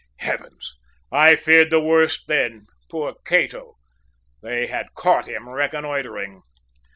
"Heavens! I feared the worst then. Poor Cato! They had caught him reconnoitring.